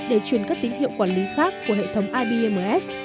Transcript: hệ thống này để truyền các tín hiệu quản lý khác của hệ thống ipms